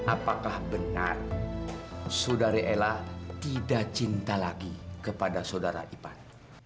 apakah benar sodari ella tidak cinta lagi kepada sodara ipan